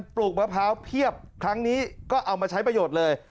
ลูกมะพร้าวเพียบครั้งนี้ก็เอามาใช้ประโยชน์เลย